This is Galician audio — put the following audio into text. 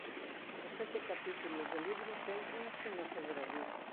Os sete capítulos do libro céntranse no federalismo.